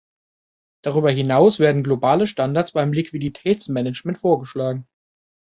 Darüber hinaus werden globale Standards beim Liquiditätsmanagement vorgeschlagen.